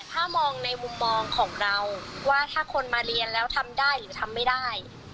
ถ้ามองในมุมมองของเราว่าถ้าคนมาเรียนแล้วทำได้หรือทำไม่ได้